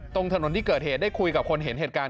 ตรงถนนที่เกิดเหตุได้คุยกับคนเห็นเหตุการณ์